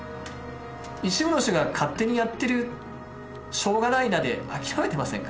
一部の人が勝手にやってる「しょうがないな」で諦めてませんか？